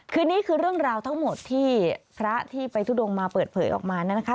คือนี่คือเรื่องราวทั้งหมดที่พระที่ไปทุดงมาเปิดเผยออกมานะคะ